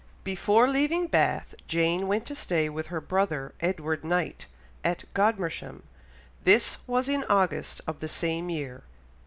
Before leaving Bath Jane went to stay with her brother, Edward Knight, at Godmersham; this was in August of the same year, 1805.